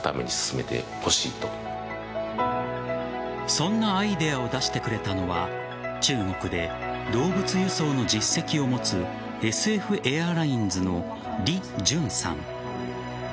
そんなアイデアを出してくれたのは中国で動物輸送の実績を持つＳＦエアラインズのリ・ジュンさん。